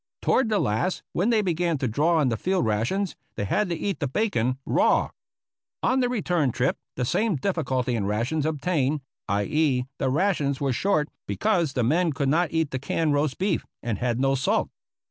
Toward the last, when they began to draw on the field rations, they had to eat the bacon raw. On the return trip the same difficulty in rations obtained — i.e. , the rations were short because the men could not eat the canned roast beef, and had no salt.